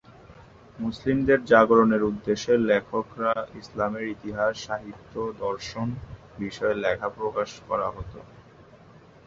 মুসলিমদের জাগরণের উদ্দেশ্যে লেখকরা ইসলামের ইতিহাস, সাহিত্য, দর্শন বিষয়ে লেখা প্রকাশ করা হত।